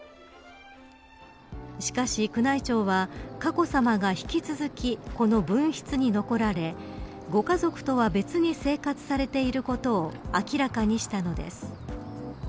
しかし、宮内庁は佳子さまが引き続きこの分室に残られご家族とは別に生活されていることを明らかにしたのです。